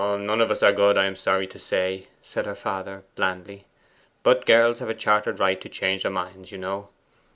'None of us are good, I am sorry to say,' said her father blandly; 'but girls have a chartered right to change their minds, you know.